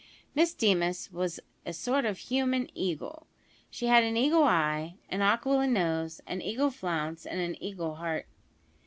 Miss Deemas was a sort of human eagle. She had an eagle eye, an aquiline nose, an eagle flounce, and an eagle heart.